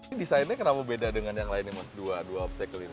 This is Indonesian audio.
ini desainnya kenapa beda dengan yang lainnya mas dua dua obstacle ini